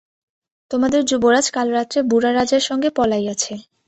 তোমাদের যুবরাজ কাল রাত্রে বুড়া রাজার সঙ্গে পলাইয়াছে!